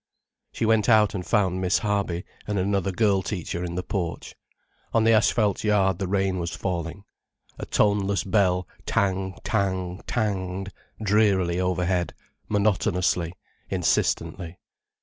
She went out and found Miss Harby, and another girl teacher, in the porch. On the asphalt yard the rain was falling. A toneless bell tang tang tanged drearily overhead, monotonously, insistently.